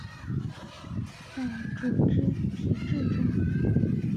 在组织体制中